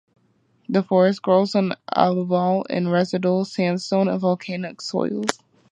This forest grows on alluvial and residual sandstone and volcanic soils.